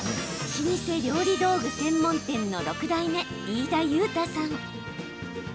老舗料理道具専門店の６代目飯田結太さん。